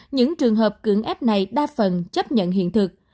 những trường hợp cưỡng ép này đa phần chấp nhận hiện thực